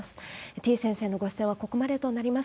てぃ先生のご出演はここまでとなります。